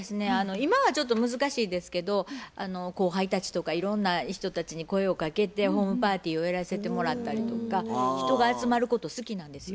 今はちょっと難しいですけど後輩たちとかいろんな人たちに声をかけてホームパーティーをやらせてもらったりとか人が集まること好きなんですよ。